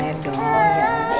iya digendong tante andi